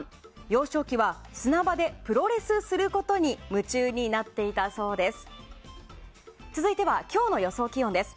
幼少期は砂場でプロレスすることに夢中になっていたそうです。